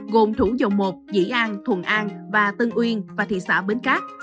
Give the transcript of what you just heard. gồm thủ dầu một dĩ an thuận an và tân uyên và thị xã bến cát